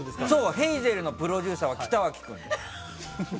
ヘイゼルのプロデューサーは北脇君。